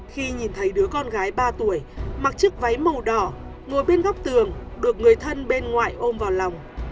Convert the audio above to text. khi nhìn thấy đứa con gái ba tuổi mặc chiếc váy màu đỏ ngồi bên góc tường được người thân bên ngoại ôm vào lòng